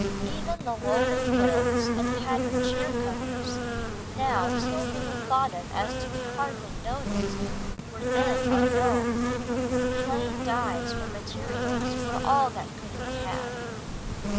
Even the woven quilts and patterned chair covers, now so little thought of as to be hardly noticed, were then unknown; plain dyes for materials were all that could be had.